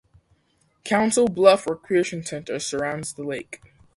Council Bluff Recreation Area surrounds the lake.